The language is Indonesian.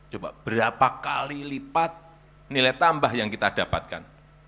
coba berapa kali lipat nilai tambah yang kita dapatkan